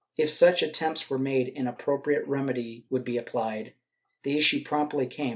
If such attempts were made, an appropriate remedy would be applied.^ The issue promptly came.